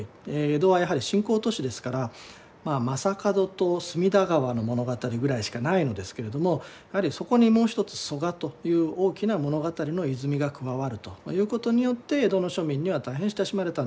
江戸はやはり新興都市ですから将門と隅田川の物語ぐらいしかないのですけれどもやはりそこにもう一つ曽我という大きな物語の泉が加わるということによって江戸の庶民には大変親しまれたんではないかと思います。